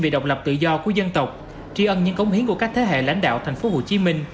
vì độc lập tự do của dân tộc tri ân nhân công hiến của các thế hệ lãnh đạo thành phố hồ chí minh